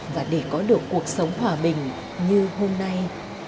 và để có được cuộc sống hòa bình như hôm nay